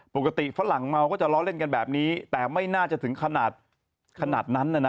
ฝรั่งเมาก็จะล้อเล่นกันแบบนี้แต่ไม่น่าจะถึงขนาดขนาดนั้นนะ